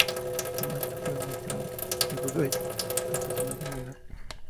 Su madre y su tío administraron el gobierno hasta su mayoría de edad.